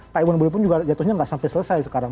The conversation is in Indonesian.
pak iwan bule pun juga jatuhnya nggak sampai selesai sekarang